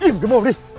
im cái mồm đi